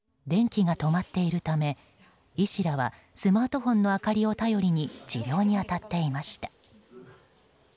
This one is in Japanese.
電気が止まっているため医師らはスマートフォンの明かりを頼りに治療に当たっていました。